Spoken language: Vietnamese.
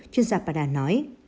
chuyên gia panda nói